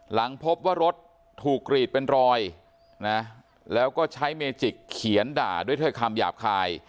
หลังพบว่ารถถูกกรีดเป็นรอยนะแล้วก็ใช้เมจิกเขียนด่าด้วยถ้อยคำหยาบคาย